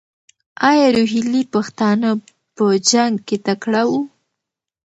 ایا روهیلې پښتانه په جنګ کې تکړه وو؟